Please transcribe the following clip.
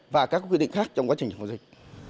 và các quy định khác trong quá trình phòng dịch